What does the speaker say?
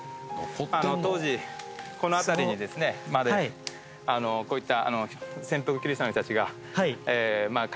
あの当時この辺りにまでこういった。